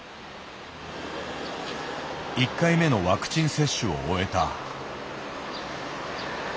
１回目のワクチン接種を終えた。